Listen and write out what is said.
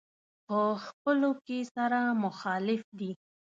په خپلو کې سره مخالف دي.